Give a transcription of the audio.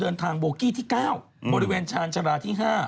เดินทางโบกี้ที่๙บริเวณชาญชาลาที่๕